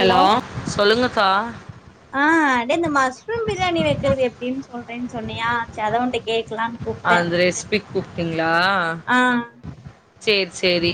hello சொல்லுங்கக்கா ஆ அப்டியே இந்த மஸ்ரூம் பிரியாணி வைக்கறது எப்டின்னு சொல்றேன்னு சொன்னியா சரி அதா உன்ட்ட கேக்கலான்னு கூப்ட்டே அந்த ரெசிபிக்கு கூப்டிங்களா ஆ சேரி சேரி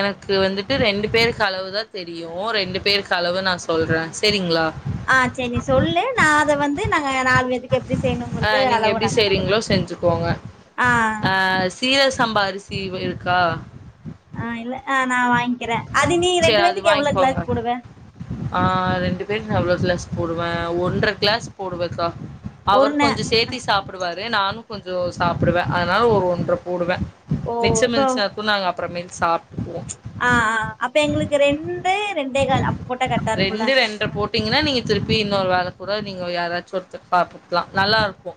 எனக்கு வந்துட்டு ரெண்டு பேருக்கு அளவு தா தெரியு ரெண்டு பேருக்கு அளவு நா சொல்ற சேரிங்களா ஆ சரி சொல்லு நா அத வந்து நாங்க நாலு பேத்துக்கு எப்டி செய்ணுன் ஆ நீங்க எப்டி செய்யறீங்ளோ செஞ்சுக்கோங்க ஆ அ சீரக சம்பா அரிசி இருக்கா ஆ இல்ல ஆ நா வாங்கிறன் அது நீங்க சேரி ரெண்டு அது வேத்துக்கு எவ்ளோ கிளாஸ் வாங்கிக்கோங்க போடுவ ஆ ரெண்டு பேருக்கு நா எவ்ளோ கிளாஸ் போடுவன் ஒன்றரை கிளாஸ் போடுவக்கா ஒரு அவர் நே கொஞ்சோ சேத்தி சாப்டுவாரு நானு கொஞ்சோ சாப்டுவேன் அதனால ஒரு ஒன்றை போடுவன் ஓ மிச்ச மிருந்துச்சுன்னாக்கு நாங்க அப்றமேல் சா அ ஆ அப்ப எங்களுக்கு ரெண்டு ரெண்டே கால் அப்டி போட்டா கரெக்ட்டா இருக்குமல்ல ப்ட போட்டீங்கன்னா நீங்க திருப்பி இன்னொரு வேல கூட நீங்க யாராச்சு ஒருத்தர் பாப்புக்லா நல்லாருக்கு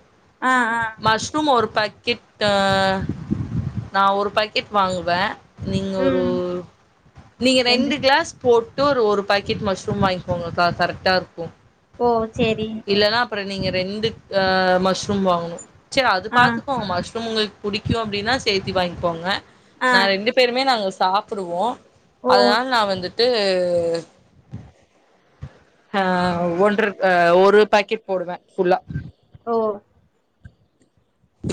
அ ஆ மஷ்ரூம் ஒரு பாக்கெட் ஆ நா ஒரு பா க்கெட் வாங்குவ நீங்க ஒரு ம் நீங்க ரெண்டு கிளாஸ் போட்டு ஒரு ஒரு பாக்கெட் மஷ்ரூம் வாங்கிக்கோங்க கரெக்டா இருக்கு ஓ சேரிங் இல்லனா அப்ற நீங்க ரெண்டு அ மஷ்ரூம் வாங்கணு செரி அது ஆ பாத்துக்கோங்க மஷ்ரூம் உங்ளுக்கு புடிக்கு அப்டின்னா சேத்தி வாங்கிகோங்க ஆ நா ரெண்டு பேருமே நாங்க சாப்டுவோ ஓ அதனால நா வந்துட்டு அ ஒன்ற அ ஒரு பாக்கெட் போடுவ ஃபுல்லா ஓ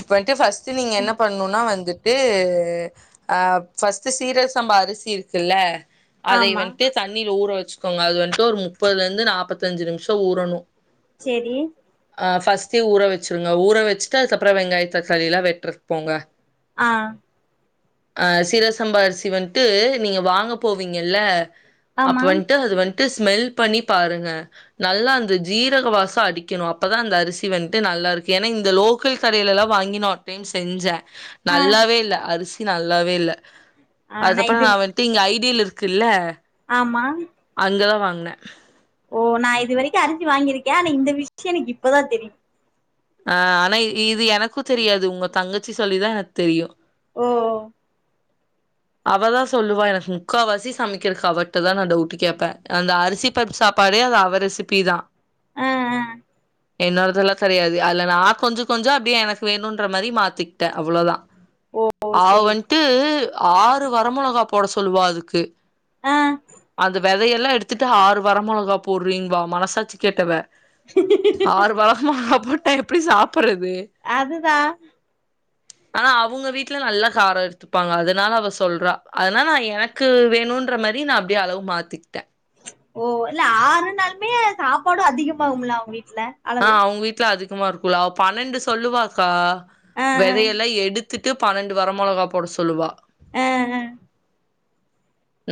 இப்பன்ட்டு ஃபர்ஸ்ட் நீங்க என்ன பண்ணுனா வந்து ட்டு ஆ ஃபர்ஸ்ட்டு சீரக சம்பா அரிசி இருக்கல்ல அதை ஆமா வந்ட்டு தண்ணில ஊற வெச்சுக்கோங்க அது வந்துட்டு ஒரு முப்பதிலிருந்து நாப்பத்தஞ்சு நிமிஷோ ஊறணு சேரி அ ஃபர்ஸ்டே ஊற வெச்சிருங்க ஊற வெச்சுட்டு அதுக்கப்றோ வெங்காயோ தக்காளியெல்லா வெட்டறக்கு போங்க ஆ அ சீரக சம்பா அரசி வந்ட்டு நீங்க வாங்க போவீங்கல்ல அப்ப ஆமா வந்ட்டு அது வந்ட்டு ஸ்மெல் பண்ணி பாருங்க நல்லா அந்த ஜீரக வாசோ அடிக்கணு அப்தா அந்த அரிசி வந்ட்டு நல்லாருக்கு ஏனா இந்த லோ க்கல் கடைலல்லா வாங்கி நா ஒரு டைம் செஞ்ச ஆ நல்லாவே இல்ல அரிசி நல்லாவே இல்ல ஆ அதுக்கப்றோ இது நா வந்ட்டு இங்க ஐடீல் இருக்கல்ல ஆமா அங்கதா வாங்ன ஓ நா இது வரைக்கு அரிசி வாங்கிருக்க ஆனா இந்த விஷ்யோ எனக்கு இப்பதா தெரியு அ ஆனா இது எனக்கு தெரியாது உங்க தங்கச்சி சொல்லிதா எனக்கு தெரியு ஓ அவதா சொல்லுவா எனக்கு முக்கா வாசி சமைக்கறக்கு அவட்டதா நா டவுட் கேப்ப அந்த அரிசி ம்பருப்பு சாப்பாடே அது அவ ரெசிபிதா ஆ ஆ என்னோடதெல்லா கெடையாது அதுல நா கொஞ்சோ கொஞ்சோ அப்டியே எனக்கு வேணுன்ற மாரி மாத்திகிட்ட அவ்ளோதா ஓ அவ சேரி வந்ட்டு ஆறு வர மொளகா போட சொல்லுவா அதுக்கு ஆ அந்த வெதையெல்லா எடுத்துட்டு ஆறு வர மொளகா போட்றீன்வா மனசாட்சி கேட்டவ ஆறு வரமொளகா போட்டா எப்டி சாப்பறது அதுதா ஆனா அவுங்க வீட்ல நல்லா காரோ த்துப்பாங்க அதனால அவ சொல்றா அதனால நா எனக்கு வேணுன்ற மாரி நா அப்டியே அளவு மாத்திகிட்ட ஓ இல்ல ஆறுனாலுமே சாப்பாடு அதிகமாகுமல்ல அவுங்க வீட்ல ஆ அளவு அவுங்க வீட்ல அதிகமா இருக்குல்ல அவ பன்னெண்டு சொல்லுவாக்கா ஆ விதையெல்லா எடு த்துட்டு பன்னெண்டு வர மொளகா போட சொல்லுவா ஆ ஆ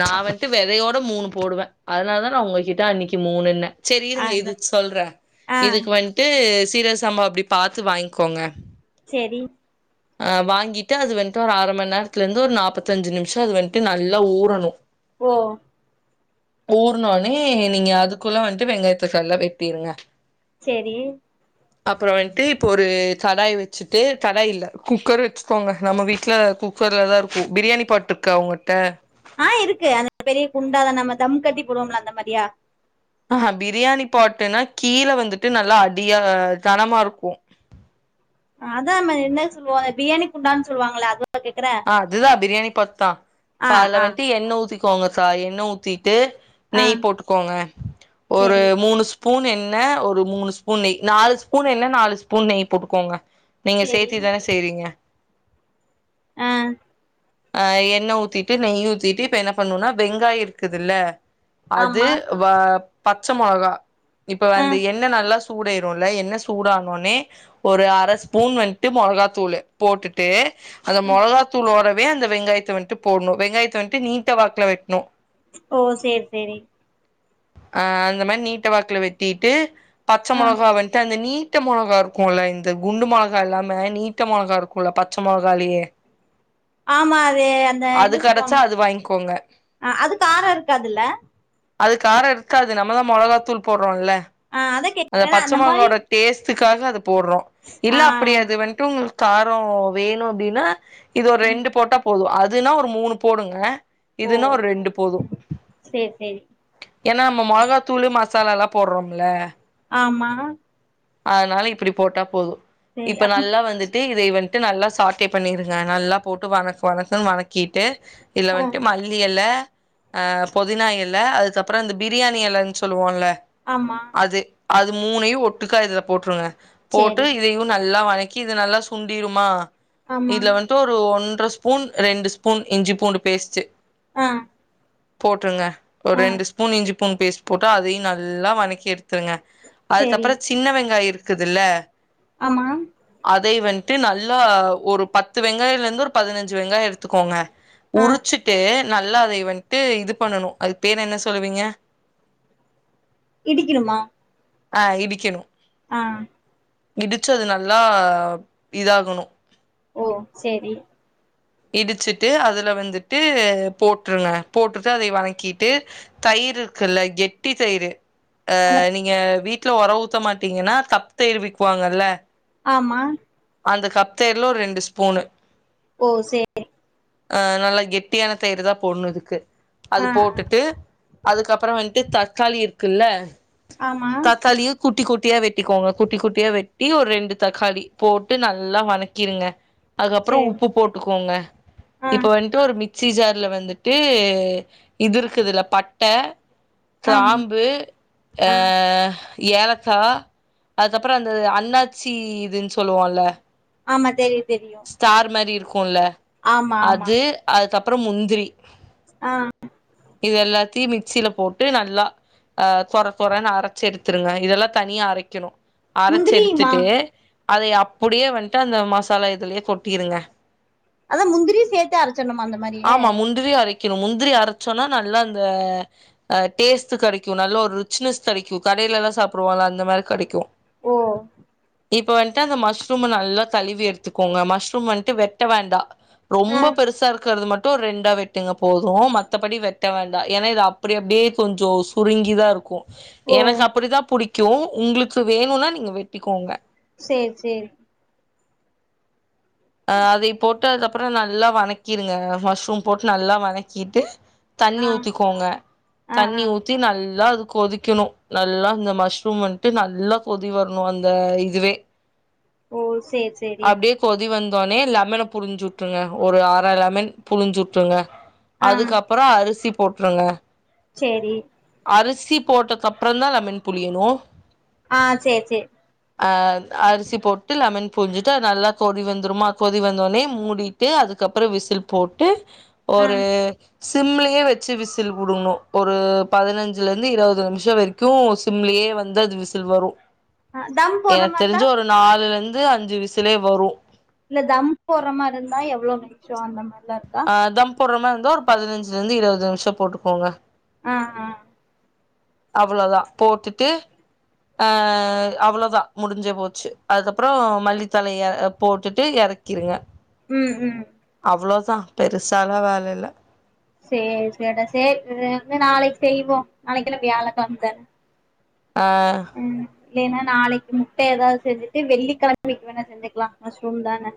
நா அப் வந்துட்டு வெதையோட மூணு போடுவ அதனால தா நா உங்ககிட்ட அன்னைக்கி மூணுன்ன செரி இருங்க அதா இதுக்கு சொல்ற ஆ இதுக்கு வந்ட்டு சீரக சம்பா அப்டி பாத்து வாங்கிக்கோங்க செரி ஆ வாங்கிட்டு அது வந்ட்டு ஒரு அர மண்நேரத்துலருந்து ஒரு நாப்பத்தஞ்சு நிமிஷ அது வந்ட்டு நல்லா ஊறணு ஓ ஊறுனோன்னே நீங்க அதுக்குள்ள வந்ட்டு வெங்காயத்த சால்லா வெட்டிருங்க செரி அப்றம் வந்ட்டு இப்போ ஒரு கடாய் வச்சுட்டு கடாய் இல்ல குக்கர் வச்சுக்கோங்க நம்ம வீட்ல குக் கர்ல தா இருக்கு பிரியாணி பாட் இருக்கா உங்கிட்ட ஆ இருக்கு அந்த பெரிய குண்டால நம்ம தம் கட்டி போடுவோம்ல அந்த மாரியா ஆஹ பிரியாணி பாட்டுன்னா கீழ வந்துட்டு நல்லா அடியா தனமா இருக்கு அதா நம்ம என்ன சொல்லுவோ பிரியாணி குண்டான்னு சொல்லுவாங்கள அத ஆ அதுதா பிரியாணி பாட் தா ஆ அதுல வந்துட்டு எண்ணெ ஊத்திக்கோங்க கா எண்ணெ ஊத்திட்டு ஆ நெய் போட்டுக்கோங்க ஒரு செரி மூணு ஸ்பூன் எண்ணெ ஒரு மூணு ஸ்பூன் நெய் நாலு ஸ்பூன் எண்ணெ நாலு ஸ்பூன் நெய் போட்டுக்கோங்க நீங்க செரி சேத்தி தானே செய்றீங்க ஆ ஆ எண்ணெ ஊத்திட்டு நெய் ஊத்திட்டு இப்ப என்ன பண்ணுன்னா வெங்காய இருக்குதுல்ல அது ஆமா வ பச்ச மொளகா இப்ப ஆ அந்த எண்ணெ நல்லா சூடேறுல்ல எண்ணெ சூடானோன்னே ஒரு அர ஸ்பூன் வந்ட்டு மொளகாத்தூளு போட்டுட் டு அந்த மொளகாத்தூளோட வெங்காயத்த வந்துட்டு போட்ணு வெங்காயத்த வந்துட்டு நீட்ட வாக்ல வெட்ணு ஓ செரி செரி ஆ அந்த மாரி நீட்ட வாக்ல வெட்டிட்டு பச்ச ஆ மொளகா வந்துட்டு அந்த நீ ட்ட மொளகா இருக்குல்ல இந்த குண்டு மொளகா இல்லாமே நீட்ட மொளகா இருக்குல்ல பச்ச மொளகாலயே ஆமா அது அந்த அது என்ன கடச்சா சொல்லுவங்க அது வாய்ங்க்கோங்க ஆ அது கார இருக்காதுல்ல அது கார இருக்காது நம்மதா மொளகாத்தூள் போட்றோல்ல ஆ அத அது பச்ச மொளகவோட டேஸ்ட்டுக்காக அது போட்றோ இல்ல ஆ அப்டி அது வந் ட்டு உங்களுக் காரம் வேணு அப்டின்னா இது ஒரு ரெண்டு போட்டா போது அதுன்னா ஒரு மூணு போடுங்க ஓ இதுன்னா ஒரு ரெண்டு போது சேரி சேரி ஏன்னா நம்ம மொளகாத்தூளு மசாலா எல்லா போட்றோம்ல ஆமா அதனால இப்டி போட்டா போது சேரி இப்ப அப் நல்லா வந்துட் டு இதைய வந்ட்டு நல்லா சார்ட்டே பண்ணிருங்க நல்லா போட்டு வதக்கு வதக்குன்னு வதக்கிட்டு இதுல ஆ வந்ட்டு மல்லி எல ஆ பொதினா எல அதுக்கப்புற இந்த பிரியாணி எலன்னு சொல்லுவோல்ல ஆமா அது அது மூணையு ஒட்டுக்கா இதுல போட்டுருங்க போட்டு சேரி இதையு நல்லா வதக் கி இது நல்லா சுண்டிருமா ஆமா இதுல வந் ட்டு ஒரு ஒன்ற ஸ்பூன் ரெண்டு ஸ்பூன் இஞ்சி பூண்டு பேஸ்ட்டு ஆ போட்டுருங்க ஒரு ஆ ரெண்டு ஸ்பூன் இஞ்சி பூன் பேஸ்ட் போட்டு அதையும் நல்லா வணக்கி எடுத்துருங்க சேரி அதுக்கப்புறம் சின்ன வெங்காய் இருக்குதுல்ல ஆமா அதை வந்துட்டு நல்லா ஒரு பத்து வெங்காயம்ல இருந்து ஒரு பதினஞ்சு வெங்காயம் எடுத்துக்கோங்க ஆ உரிச்சுட்டு நல்லா அதை வந்துட்டு இது பண்ணணும் அது பேர் என்ன சொல்லுவீங்க இடிக்கணுமா ஆ இடிக்கணும் ஆ இடிச்ச அது நல்லா இதாகணும் ஓ செரி இடிச்சுட்டு அதுல வந்துட்டு போட்டுருங்க போட்டுட்டு அதை வணக்கிட்டு தயிர் இருக்குல்ல கெட்டி தயிர் அ அந்த நீங்க வீட்டுல ஒர ஊத்த மாட்டீங்கன்னா தப் தையிர் விக்குவாங்கல்ல ஆமா அந்த கப்த் தைர்ல ஒரு ரெண்டு ஸ்பூனு ஓ சேரி அ நல்லா கெட்டியான தயிரு தான் போட்ணும் இதுக்கு அது ஆ ஆ போட்டுட்டு அதுக்கப்பறம் வந்துட்டு தக்காளி இருக்குல்ல ஆமா தக்காளியு குட்டி குட்டியா வெட்டிக்கோங்க குட்டி குட்டியா வெட்டி ஒரு ரெண்டு தக்காளி போட்டு நல்லா வணக்கிருங்க அதுக்கப்புறம் சேரி உப்பு போட்டுக்கோங்க ஆ இப்ப வந் ட்டு‌ ஒரு மிக்சி ஜார்ல வந்துட்டு இது இருக்குதுல பட்ட ஆமா கிராம்பு அ ஆ ஏலக்கா அதுக்கப்புறம் அந்த அண்ணாச்சி இதுனு சொ சொல்லுவோம்ல ஆமா தெரியும் தெரியும் ஸ்டார் மாரி இருக்கும்ல ஆமா அது அதுக்கப்புறம் முந்திரி அ இது எல்லாத்தையும் மிக்சியில போட்டு நல்லா அ சொர சொரன்னு அரச்சு எடுத்துருங்க இதெல்லாம் தனியா அரைக்கணும் அரைச்சு முந்திரியுமா எடுத்துட்டு அதை அப்புடியே வந்துட்டு அந்த மசாலா இதுலயே கொட்டிருங்க அதான் முந்திரியும் சேத்து அரைச்சர்ணுமா அந்த மாரியே முந்திரியும் அரைக்கணும் முந்திரி அரச்சோன்னா நல்லா அந்த அ டேஸ்ட் கெடைக்கும் நல்ல ஒரு ரிச்னஸ் கிடைக்கும் கடையில எல்லாம் சாப்டுவோல அந்த மாரி கிடைக்கும் ஓ இப்ப வந்ட்டு அந்த மஷ்ரூம நல்லா கழுவி எடுத்துக்கோங்க மஷ்ரூம் வந்ட்டு வெட்ட வேண்டா ஆ ரொம்ப பெருசா இருக்கிறத மட்டும் ரெண்டா வெட்டுங்க போதும் மத் வெட்ட வேண்டா ஏன்னா இது அப்டி அப்டியே கொஞ்சம் சுருங்கிதான் இருக்கும் ஓ எனக்கு அப்படி தான் புடிக் கும் உங்களுக்கு வேணும்னா நீங்க வெட்டிக்கோங்க சேர் சேரி அ அதை போட்டு அதுக்கப்புறம் நல்லா வணக்கிடுங்க மஷ்ரூம் போட்டு நல்லா வணக்கிட்டு தண்ணி ஆ ஊத்திக்கோங்க ஆ தண்ணி ஆ ஊத் தி நல்லா அது கொதிக்கணும் நல்லா அந்த மஷ்ரூம் வந்துட்டு நல்லா கொதி வரணும் அந்த இதுவே ஓ சே சே அப்டியே கொதி வந்தவுனே லெமன புழிஞ்சுட்டுருங்க ஒரு ஆர லெமன் புழிஞ்சுட்ருங்க ஆ அதுக்கப்புறம் அரிசி போட்ருங்க சேரி அரிசி போட்டதுக்கு அப்பறந்தா லெமன் புழியணு ஆ சேர் சேரி ஆ அரிசி போட்டு லெமன் புழிஞ்சிட்டு அது நல்லா கொதி வந்துருமா கொதி வந்த ஒன்னே மூடி ட்டு அதுக்க அப்பறோ விசில் போட்டு ஆ ஒரு சிம்லயே வச்சி விசில் வுடணு ஒரு பதினஞ்சில இருந்து இருவது நிமிசோ வரைக்கு சிம்லயே வந்து அது விசில் வரு ஆ தம் போட்ற எனக்கு மார்ருந்தா தெரிஞ்சி ஒரு நாலுல இருந்து அஞ்சி விசிலே வரு இல்ல தம் போட்ற மாரி இருந்தா எவ்ளோ நிமிசோ அந்த மாரில இரு ஆ தம் போட்ற மாரி இருந்தா ஒரு பதினஞ்சில இருந்து இருவது நிமிசோ போட்டுக்கோங்க ஆ ஆ அவ்ளோதா போட்டுட்டு ஆ அவ்ளோதா முடிஞ்சே போச்சி அதுக்கப்பறோ மல்லித்தழைய போட்டுட்டு எறக் கிருங்க ம் ம் அவ்ளோதா பெருசால்லா வேல இல்ல சேர் சேரிடா சேரி நாளைக்கு செய்வோ நாளைக்கு என்ன வியாழக்கெழம தான ஆ ம் இல்லைன்னா நாளைக்கி முட்ட ஏதாவது செஞ்சிட்டு வெள்ளிக்கெழமைக்கு வேணா செஞ்சுக்கலா மஷ்ரூம் தான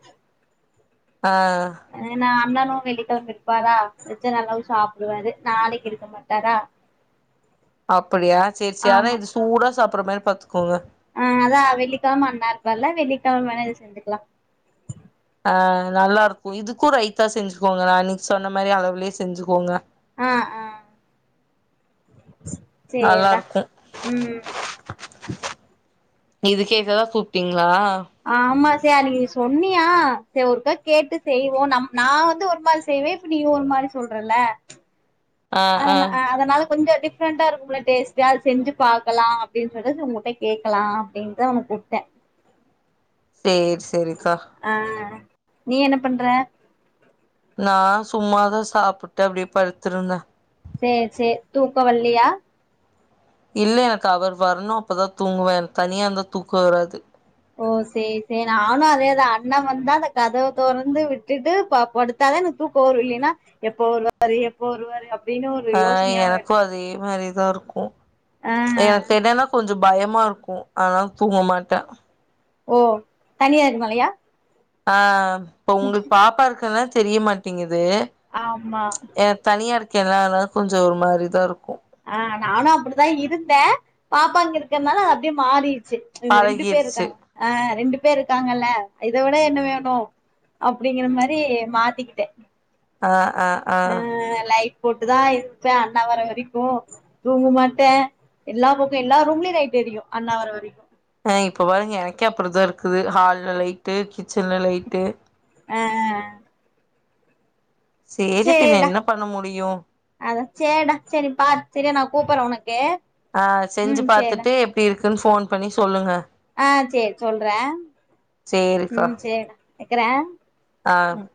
ஆ ஏன்னா அண்ணனு வெள்ளிக்கெழம இருப்பாரா செஞ்சா நல்லாவு சாப்டுவாரு நாளைக்கி இருக்க மாட்டாரா அப்டியா சேரி சேரி ஆனா ஆமா இது சூடா சாப்ட்ற மாரி பாத்துக்கோங்க ஆ அதா வெள்ளிக்கெழம அண்ணா இருப்பார்ல வெள்ளிக்கெழம வேணா இது செஞ்சிக்கலா ஆ நல்லா இருக்கு இதுக்கு ரைத்தா செஞ்சிக்கோங்க நா அன்னக்கி சொன்ன மாரி அளவுலயே செஞ்சிக்கோங்க ஆ ஆ சேர்டா நல்லாருக்கு ம் இது கேக்கதா கூப்ட்டீங்களா ஆமா சேர் அன்னக்கி நீ சொன்னியா சேர் ஒருக்கா கேட்டு செய்வோ நம் நா வந்து ஒரு மாரி செய்வே நீ ஒரு மாரி சொல்றல்ல ஆ ஆ அதனா அதனால கொஞ்சோ டிஃப் ரெண்ட்டா இருக்கும்ல டேஸ்டு அது செஞ்சி பாக்கலா அப்டின்னு சொல்ட்டு உங்கட்ட கேட்கலா அப்டின்னுதா உனக்கு கூப்டே சேர் சேரிக்கா ஆ நீ என்ன பண்ற நா சும்மாதா சாப்ட்டு அப்டியே படுத்திருந்தே சேர் சேரி தூக்கோ வல்லையா இல்ல எனக்கு அவர் வரணு அப்பதா தூங்குவே எனக்கு தனியா இருந்தா தூக்கோ வராது ஓ சேர் சேரி நானு அதேதா அண்ணே வந்தா அந்த கதவ தொறந்து விட்டுட்டு படு த்தாதா எனக்கு தூக்கோ வரு இல்லைன்னா எப்ப வருவாரு எப்ப வருவாரு அப் ஆ எனக்கு அதே மாரிதா இருக்கு ஆ எனக்கு என்னன்னா கொஞ்சோ பயமா இருக்கு அதுனால தூங்க மாட்டே ஓ தனியா இருக்கனாலயா ஆ இப்ப உங்களுக்கு பாப்பா இருக்கனால தெரியமாட்டேங்கிது ஆமா எனக்கு தனியா இருக்கேல்ல அதுனால கொஞ்சோ ஒரு மாரிதா இருக்கு ஆ நானும் அப்டிதான் இருந்தேன் பாப்பா இங்க இருக்கிறதுனால அது அப்டியே மாறிர்ச்சு இங்க ரெண்டு பேர் பழகிருச்சு இருக்காங்க ஆ ரெண்டு பேர் இருக்காங்கல்ல இத விட என்ன வேணும் அப்டிங்கிற மாரி மாத்திக்கிட்டேன் ஆ ஆ ஆ ஆ லைட் போட்டு தா இருப்பே அண்ணா வர வரைக்கும் தூங்க மாட்டேன் எல்லா பக்கம் எல்லா ரூம்லயையும் லைட் எரியும் அண்ணா வர வரைக்கும் ஆ இப்போ பாருங்க எனக்கே அப்டி தா இருக்குது ஹால்ல லைட்டு கிச்சன்ல லைட்டு ஆ ஆ சேரி பின்ன சேர்டா என்ன பண்ண முடியும் அதா சேர்டா சேரி பாரு சரியா நா கூப்ட்றே உனக்கு ஆ செஞ்சு உம் சேரிடா பாத்துட்டு எப்டி இருக்குன்னு போன் பண்ணி சொல்லுங்க ஆ சேரி சொல்றே சேரிக்கா உம் சேரிடா வைக்குறே ஆ அ